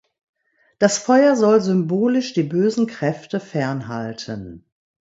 Das Feuer soll symbolisch die bösen Kräfte fernhalten.